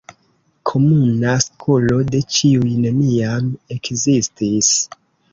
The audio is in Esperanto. Komuna skolo de ĉiuj neniam ekzistis.